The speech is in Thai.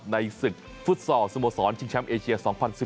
ในศึกฟุตซอลสมสรรค์ชิงช้ำเอเชีย๒๐๑๖